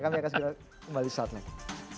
kami akan kembali suatu saat lagi